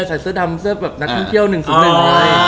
ใส่เสื้อดำเสื้อแบบนักเช่ียวหนึ่งขึ้นหนึ่ง